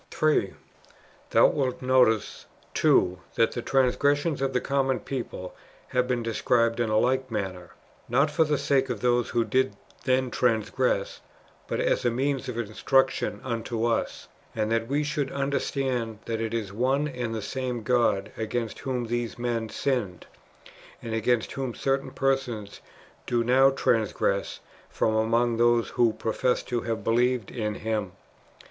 ^* 3. Thou wilt notice, too, that the transgressions of the 1 Eom. iii. 23. 2 Kom. xi. 21, 17. Book iv.] IREN^US AGAINST HERESIES. 469 common people have been described in like manner, not for the sake of those who did then transgress, but as a means of instruction unto us, and that we should understand that it is one and the same God against whom these men sinned, and against whom certain persons do now transgress from among those who profess to have believed in Him.